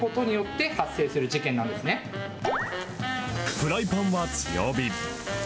フライパンは強火。